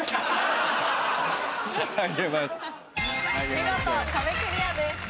見事壁クリアです。